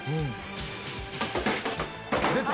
出た！